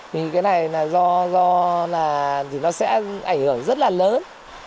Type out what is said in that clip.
thì cái này là do là nó sẽ ảnh hưởng rất là lớn